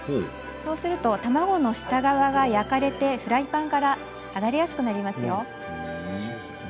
そうすると卵の下側が焼かれてフライパンから剥がれやすくなります。